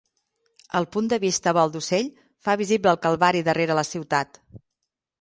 El punt de vista a vol d'ocell fa visible el Calvari darrere la ciutat.